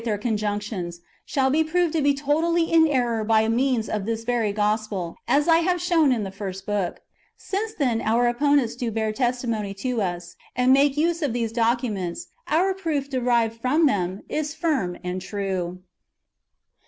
293 John, to illustrate tlieir conjunctions, shall be proved to be totally in error by means of this very Gospel, as I have shown in the first book. Since, then, our opponents do bear testimony to us, and make use of these [documents], our proof derived from them is firm and true.